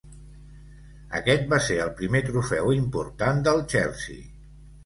Aquest va ser el primer trofeu important del Chelsea.